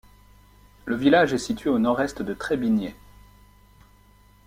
Le village est situé au nord-est de Trebinje.